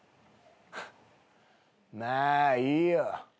フッまあいいよ。